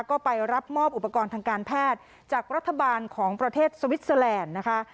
ก็ไปรับมอบอุปกรณ์ทางการแพทย์จากรัฐบาลของประเทศสวิสเตอร์แลนด์นะคะ